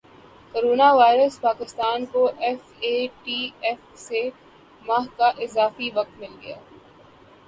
corona virus Pakistan کو F A T F سے ماہ کا اضافی وقت مل گیا